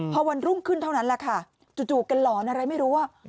พอวันรุ่งขึ้นเท่านั้นแหละค่ะจู่กันหลอนอะไรไม่รู้